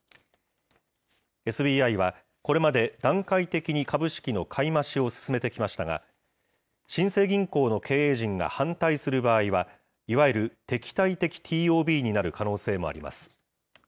ＳＢＩはこれまで段階的に株式の買い増しを進めてきましたが、新生銀行の経営陣が反対する場合は、いわゆる敵対的ＴＯＢになる可能性もあります。